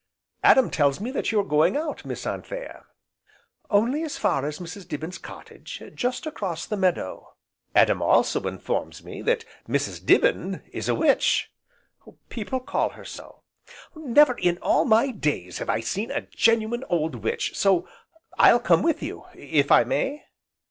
"Adam tells me that you are going out, Miss Anthea." "Only as far as Mrs. Dibbin's cottage, just across the meadow." "Adam also informs me that Mrs. Dibbin is a witch." "People call her so." "Never in all my days have I seen a genuine, old witch, so I'll come with you, if I may?"